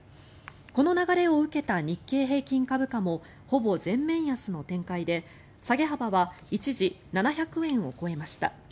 この流れを受けた日経平均株価もほぼ全面安の展開で下げ幅は一時、７００円を超えました。